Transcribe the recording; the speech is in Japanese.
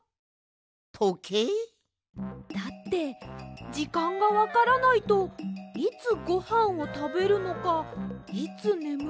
とけい？だってじかんがわからないといつごはんをたべるのかいつねむるのかがわかりません！